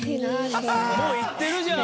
もう言ってるじゃん！